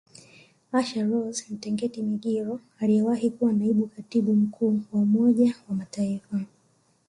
Asha Rose Mtengeti Migiro aliyewahi kuwa Naibu Katibu Mkuu wa Umoja wa Mataifa